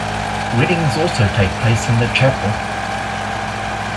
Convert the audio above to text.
Weddings also take place in the chapel.